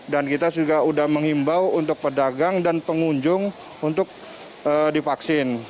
dan kita sudah mengimbau untuk pedagang dan pengunjung untuk divaksin